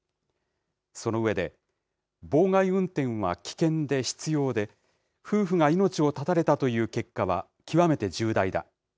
その上で、妨害運転は危険で執ようで、夫婦が命を絶たれたという結果は極めて重大だ。